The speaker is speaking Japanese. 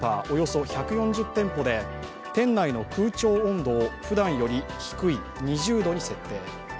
およそ１４０店舗で店内の空調温度をふだんより低い２０度に設定。